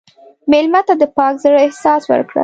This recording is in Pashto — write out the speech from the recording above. مېلمه ته د پاک زړه احساس ورکړه.